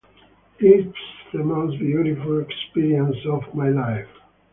It is the most beautiful experience of my life.